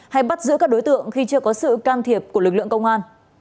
hay bắt giữ các đối tượng khi chưa có sự can thiệp của lực lượng công an